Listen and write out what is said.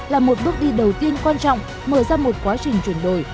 là một bước đi đầu tiên quan trọng mở ra một quá trình chuyển đổi